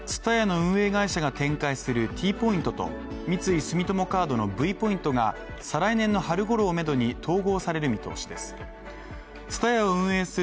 ＴＳＵＴＡＹＡの運営会社が展開するＴポイントと三井住友カードのＶポイントが再来年の春頃をめどに統合される見通しです。